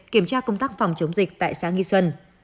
kiểm tra công tác phòng chống dịch tại xã nghi xuân